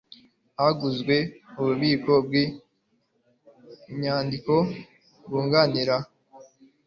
Haguzwe ububiko bw inyandiko bwunganira